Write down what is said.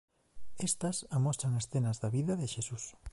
Estas amosan escenas da vida de Xesús.